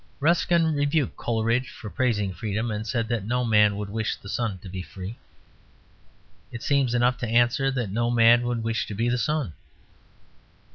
Ruskin rebuked Coleridge for praising freedom, and said that no man would wish the sun to be free. It seems enough to answer that no man would wish to be the sun.